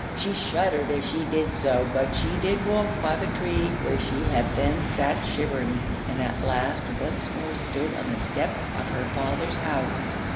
She shuddered as she did so, but she did walk by the tree where she had then sat shivering, and at last once more stood on the steps of her father's house.